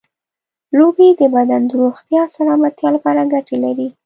لوبې د بدن د روغتیا او سلامتیا لپاره ګټې لري.